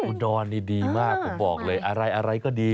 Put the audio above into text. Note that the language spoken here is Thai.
อุดรนี่ดีมากผมบอกเลยอะไรก็ดี